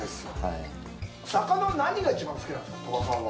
魚、何が一番好きなんですか鳥羽さんは。